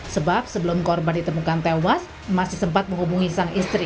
sebab sebelum korban ditemukan tewas masih sempat menghubungi sang istri